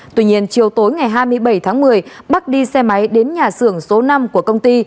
tuy nhiên chiều tối ngày hai mươi bảy tháng một mươi bắc đi xe máy đến nhà xưởng số năm của công ty